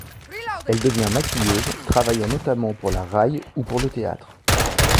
Elle devient maquilleuse, travaillant notamment pour la Rai ou pour le théâtre.